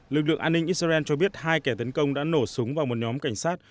lực lượng an ninh israel cho biết hai kẻ tấn công đã nổ súng vào một nhóm cảnh sát